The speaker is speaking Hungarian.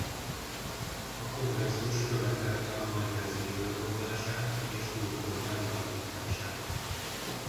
A kongresszus követelte a nagyvezír lemondását és új kormány alakítását.